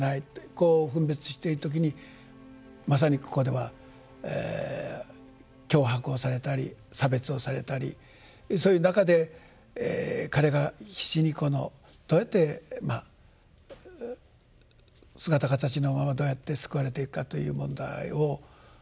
こう分別している時にまさにここでは脅迫をされたり差別をされたりそういう中で彼が必死にこのどうやってまあ姿形のままどうやって救われていくかという問題を。